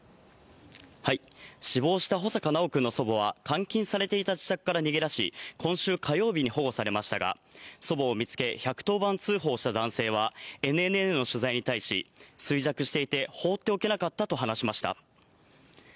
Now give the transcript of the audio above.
死亡した穂坂修くんの祖母は、監禁されていた自宅から逃げ出し、今週火曜日に保護されましたが、祖母を見つけ、１１０番通報した男性は、ＮＮＮの取材に対し、衰弱していて、放っておけなかったと話しました。